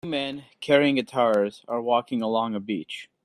Two men, carrying guitars, are walking along a beach.